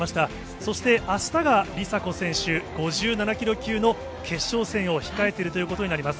そして、あしたが梨紗子選手、５７キロ級の決勝戦を控えているということになります。